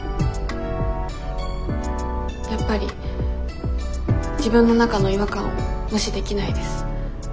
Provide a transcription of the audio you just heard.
やっぱり自分の中の違和感を無視できないです。